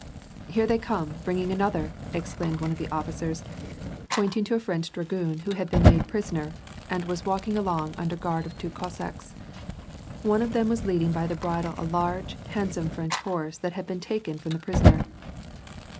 " Here they come, bringing another !" exclaimed one of the officers, pointing to a French dragoon who had been made pris oner, and was walking along imder guard of two Cossacks. One of them was leading by the bridle a large, handsome French horse that had been taken from the prisoner.